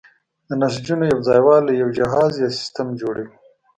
د نسجونو یوځای والی یو جهاز یا سیستم جوړوي.